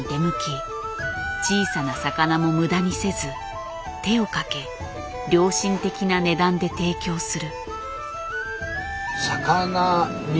小さな魚も無駄にせず手をかけ良心的な値段で提供する。